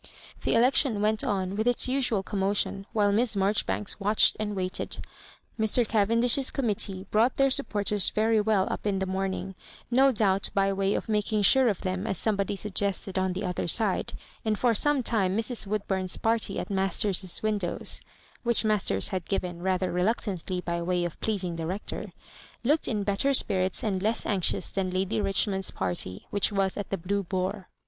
IQI The election went on with all its usual com motion while Miss Marjoribanks watched and waited. Mr. Cavendish's committee brought their supporters very well up in the morning — no doubt by way of making sure of them, as somebody suggested on the other side ; and for some time Mrs. Woodbum's party at Masters's windows (which Masters had given rather reluctantly by way of pleasmg the Rector) look ed in better spirits and less anxious than Lady Richmond's party, which was at the Blue Boar.